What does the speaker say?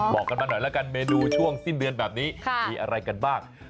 บอกกันมาหน่อยแล้วกันเมนูช่วงสิ้นเดือนแบบนี้มีอะไรกันบ้าง